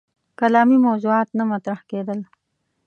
کلامي موضوعات نه مطرح کېدل.